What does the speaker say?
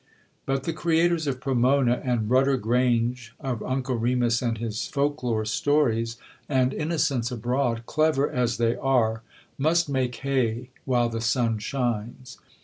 But the creators of 'Pomona' and 'Rudder Grange,' of 'Uncle Remus and his Folk lore Stories,' and 'Innocents Abroad,' clever as they are, must make hay while the sun shines.